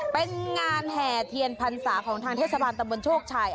เป็นงานแห่เทียนพรรษาของธจบรนตรรวนโชศัย